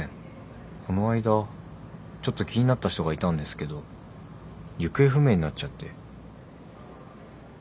この間ちょっと気になった人がいたんですけど行方不明になっちゃって。